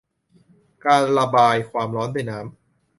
การระบายความร้อนด้วยน้ำ